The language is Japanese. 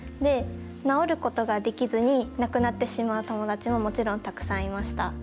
治ることができずに、亡くなってしまう友達ももちろんたくさんいました。